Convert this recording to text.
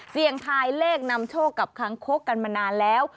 เสี่ยงทายเลขนำโชคกับค้างคกกันมานานแล้ว